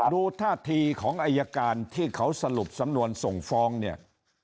ดูท่าทีของอายการที่เขาสรุปสำนวนส่งฟ้องเนี่ย